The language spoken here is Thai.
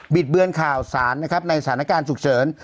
บิดเบื้นข่าวสารในศาลการณ์ฉุกเฉิน